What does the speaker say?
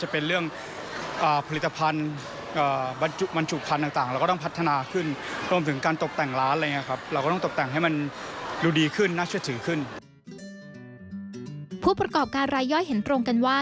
ผู้ประกอบการรายย่อยเห็นตรงกันว่า